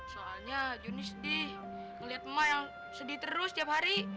soalnya junis deh ngeliat emak yang sedih terus tiap hari